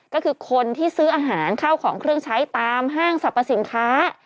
ก็คือคนที่ซื้ออาหารข้าวของเครื่องใช้ตามห้างสรรพสินค้า